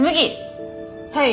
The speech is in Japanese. はい。